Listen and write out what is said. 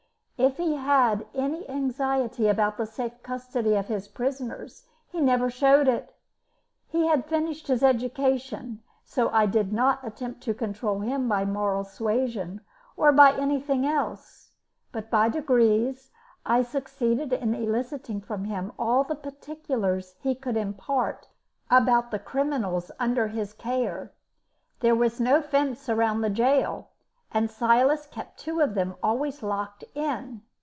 If he had any anxiety about the safe custody of his prisoners he never showed it. He had finished his education, so I did not attempt to control him by moral suasion, or by anything else, but by degrees I succeeded in eliciting from him all the particulars he could impart about the criminals under his care. There was no fence around the gaol, and Silas kept two of them always locked in.